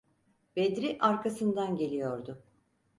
Bedri arkasından geliyordu.